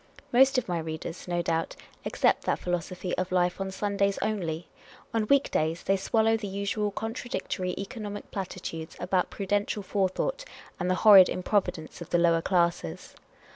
Most of my readers, no doubt, accept that philo sophy of life on Sundays only ; on week days they swallow the usual contradictory economic platitudes about prudential forethought and the horrid improvidence of the lower classes.